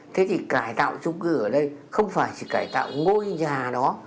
thế thì cải tạo trung cư ở đây không phải chỉ cải tạo ngôi nhà đó